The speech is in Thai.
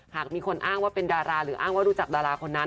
หากมีคนอ้างว่าเป็นดาราหรืออ้างว่ารู้จักดาราคนนั้น